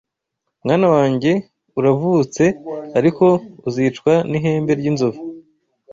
Mwana wange uravutse ariko uzicwa n’ihembe ry’inzovu